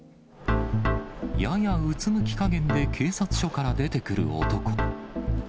ややうつむき加減で警察署から出てくる男。